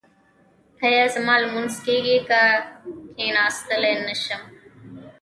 ایا زما لمونځ کیږي که کیناستلی نشم؟